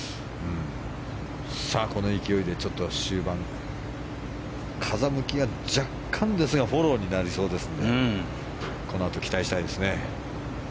この勢いで、終盤風向きが若干ですがフォローになりそうですのでこのあと期待したいですね。